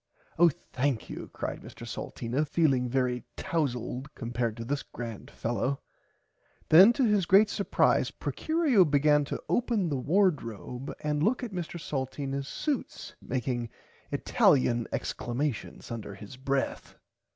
Oh thankyou cried Mr Salteena feeling very towzld compared to this grand fellow. Then to his great supprise Procurio began to open the wardrobe and look at Mr Salteenas suits making italian exclamations under his breath.